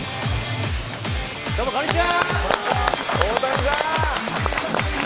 どうも、こんにちは！